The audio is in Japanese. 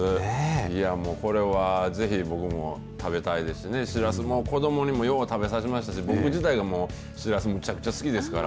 いやもう、これはぜひ僕も、食べたいですしね、シラスも子どもにもよう食べさせますし、僕自体がもう、シラスめちゃくちゃ好きですから。